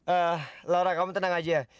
ah laura kamu tenang aja